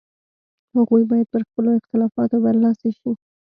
هغوی باید پر خپلو اختلافاتو برلاسي شي.